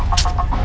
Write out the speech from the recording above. aku mau ke rumah